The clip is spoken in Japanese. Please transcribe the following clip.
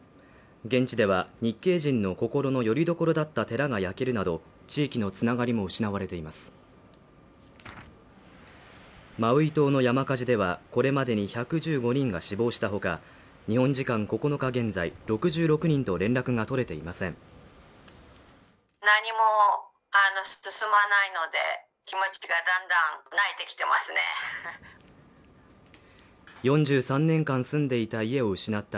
現地では日系人の心のよりどころだった寺が焼けるなど地域のつながりも失われていますマウイ島の山火事ではこれまでに１１５人が死亡したほか日本時間９日現在６６人と連絡が取れていません４３年間住んでいた家を失った